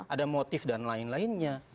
ada motif dan lain lainnya